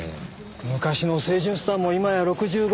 昔の清純スターも今や６５。